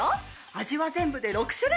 味は全部で６種類。